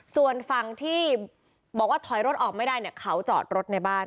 ส่วนฝั่งที่บอกว่าถอยรถออกไม่ได้เนี่ยเขาจอดรถในบ้าน